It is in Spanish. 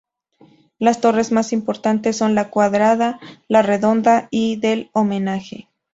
Las torres más importantes son la Cuadrada, la Redonda y del Homenaje.